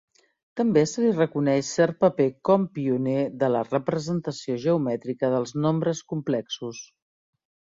També se li reconeix cert paper com pioner de la representació geomètrica dels nombres complexos.